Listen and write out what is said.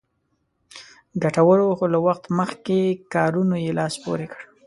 ګټورو خو له وخت مخکې کارونو یې لاس پورې کړ.